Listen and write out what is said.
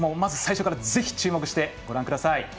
最初からぜひ注目してご覧ください。